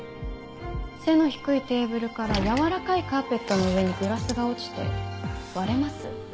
背の低いテーブルから柔らかいカーペットの上にグラスが落ちて割れます？